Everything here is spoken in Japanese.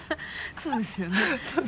そうですよね。